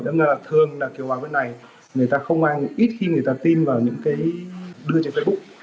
nên là thường là kiểu vào cái này người ta không ngang ít khi người ta tin vào những cái đưa trên facebook